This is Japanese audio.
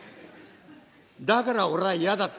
だから俺は嫌だって。